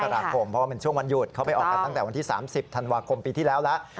ราคมเพราะว่ามันช่วงวันหยุดเขาไปออกกันตั้งแต่วันที่๓๐ธันวาคมปีที่แล้วแล้ว